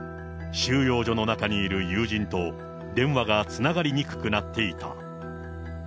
収容所の中にいる友人と、電話がつながりにくくなっていた。